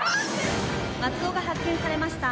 松尾が発見されました。